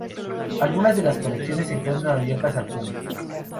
Algunas de las colecciones se encuentran abiertas al público.